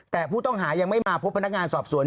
แต่ผู้ต้องหายังไม่มาพบพนักงานสอบสวน